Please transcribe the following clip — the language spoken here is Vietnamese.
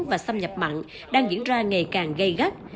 và xâm nhập mặn đang diễn ra ngày càng gây gắt